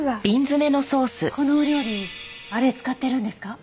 このお料理あれ使ってるんですか？